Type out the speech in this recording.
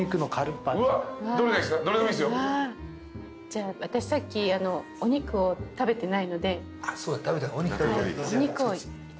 じゃあ私さっきお肉を食べてないのでお肉を。